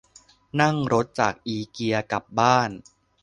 นั่งรถจากอิเกียกลับบ้าน